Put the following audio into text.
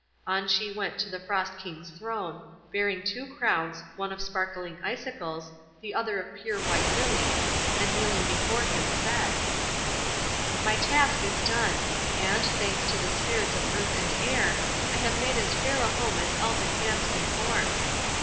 On she went to the Frost King's throne, bearing two crowns, one of sparkling icicles, the other of pure white lilies, and kneeling before him, said,— "My task is done, and, thanks to the Spirits of earth and air, I have made as fair a home as Elfin hands can form.